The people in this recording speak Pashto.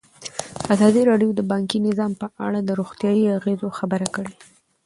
ازادي راډیو د بانکي نظام په اړه د روغتیایي اغېزو خبره کړې.